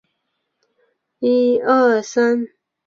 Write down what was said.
郑阮纷争时期成为广南阮主的统治中心。